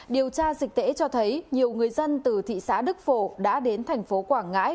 điều tra dịch tễ cho thấy nhiều người dân từ thị xã đức phổ đã đến thành phố quảng ngãi